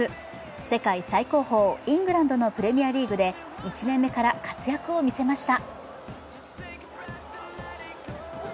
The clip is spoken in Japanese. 世界最高峰イングランドのプレミアリーグで１年目から活躍を見せました。